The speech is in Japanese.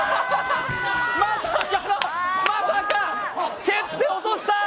まさか、蹴って落とした。